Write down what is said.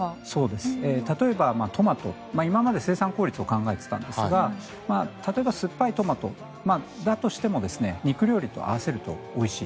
例えばトマト、今まで生産効率を考えていたんですが例えば酸っぱいトマトだとしても肉料理と合わせるとおいしい。